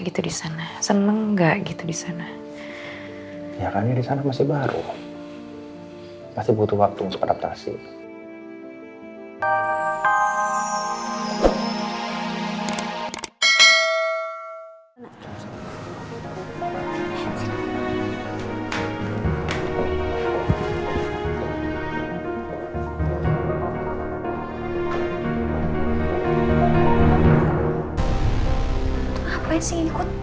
gitu di sana seneng gak gitu di sana nyaranya di sana masih baru masih butuh waktu adaptasi